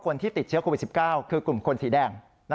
คนที่ติดเชื้อโควิด๑๙คือกลุ่มคนสีแดง